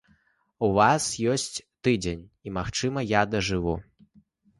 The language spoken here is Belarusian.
У вас ёсць тыдзень, і, магчыма, я дажыву.